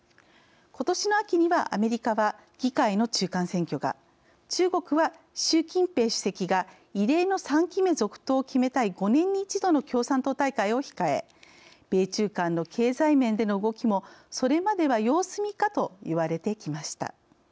ことしの秋にはアメリカは議会の中間選挙が中国は習近平主席が異例の３期目続投を決めたい５年に１度の共産党大会を控え米中間の経済面での動きもそれまでは様子見かといわれてきました。